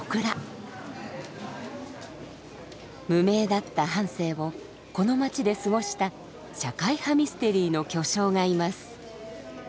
無名だった半生をこの町で過ごした社会派ミステリーの巨匠がいます。